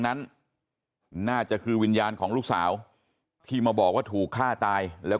นั้นน่าจะคือวิญญาณของลูกสาวที่มาบอกว่าถูกฆ่าตายแล้ว